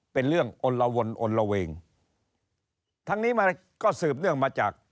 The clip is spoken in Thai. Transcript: เป็นเรื่องอลละวนอนละเวงทั้งนี้มันก็สืบเนื่องมาจาก